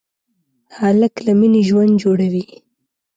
هلک له مینې ژوند جوړوي.